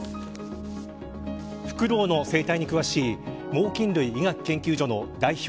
フクロウの生態に詳しい猛禽類医学研究所の代表